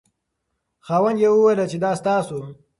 خاوند یې وویل چې دا ستا شو.